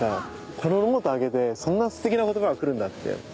このノートあげてそんなステキな言葉が来るんだって。